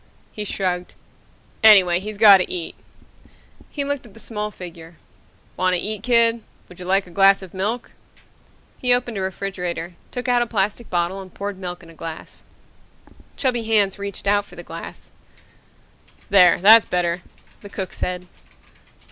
_ He shrugged. "Anyway, he's got to eat." He looked at the small figure. "Want to eat, kid? Would you like a glass of milk?" He opened a refrigerator, took out a plastic bottle and poured milk in a glass. Chubby hands reached out for the glass. "There, that's better," the cook said.